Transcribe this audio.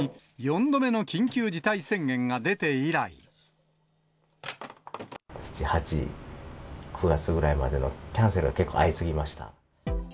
さらに、７、８、９月ぐらいまでのキャンセルが結構相次ぎました。